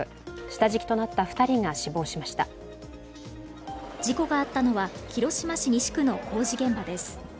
下敷きとなった２人が死亡しました事故があったのは広島市西区の工事現場です。